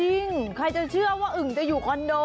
จริงใครจะเชื่อว่าอึ่งจะอยู่คอนโด